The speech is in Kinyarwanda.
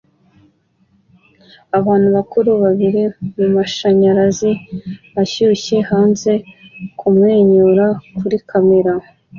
Abantu bakuru babiri mumashanyarazi ashyushye hanze kumwenyura kuri kamera